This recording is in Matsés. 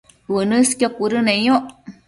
uënësqio cuëdëneyoc